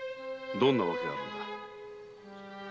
どんな訳があるのか。